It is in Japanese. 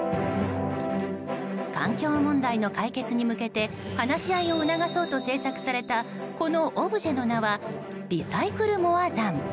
環境問題の解決に向けて話し合いを促そうと制作された、このオブジェの名はリサイクルモア山。